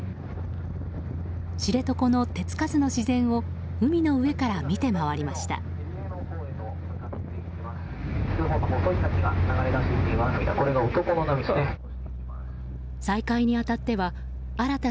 知床の手つかずの自然を海の上から見て回りました。